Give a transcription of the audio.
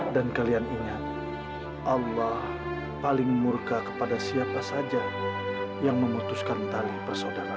dan kalian ingat allah paling murka kepada siapa saja yang memutuskan tali persaudaraan